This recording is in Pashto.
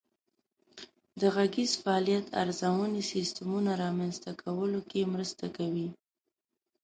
د غږیز فعالیت ارزونې سیسټمونه رامنځته کولو کې مرسته کوي.